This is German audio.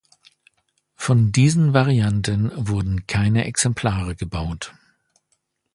Von diesen Varianten wurden keine Exemplare gebaut.